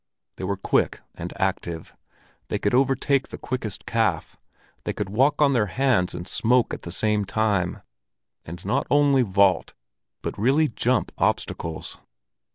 They were quick and active, they could overtake the quickest calf, they could walk on their hands and smoke at the same time, and not only vault but really jump obstacles.